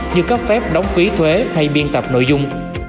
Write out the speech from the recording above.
như cấp phép đóng phí thuế hay biên tập nội dung